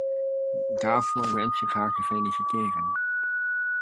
Daarvoor wens ik haar te feliciteren.